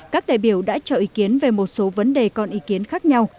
các đại biểu đã cho ý kiến về một số vấn đề còn ý kiến khác nhau